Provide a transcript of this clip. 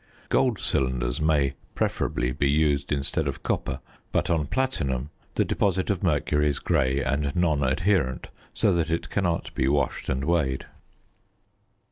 Gold cylinders may preferably be used instead of copper; but on platinum the deposit of mercury is grey and non adherent, so that it cannot be washed and weighed.